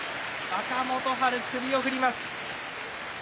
若元春、首を振ります。